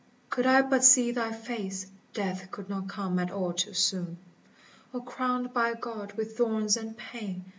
could I but see thy face Death could not come at all too soon. O crowned by God with thorns and pain